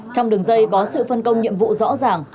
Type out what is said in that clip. trong đường dây có sự phân công nhiệm vụ rõ ràng